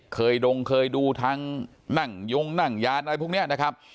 ดงเคยดูทั้งนั่งยงนั่งยานอะไรพวกนี้นะครับ